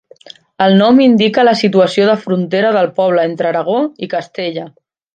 El nom indica la situació de frontera del poble entre Aragó i Castella.